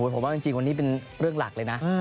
ผมว่าจริงวันนี้เป็นเรื่องหลักเลยนะ